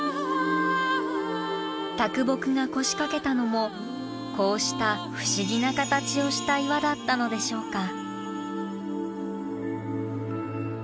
啄木が腰掛けたのもこうした不思議な形をした岩だったのでしょうか？